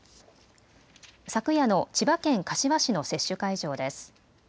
昨夜の千葉県柏市の接種会場です。